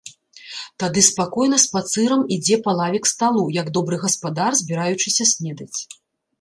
Тады спакойна спацырам ідзе па лаве к сталу, як добры гаспадар, збіраючыся снедаць.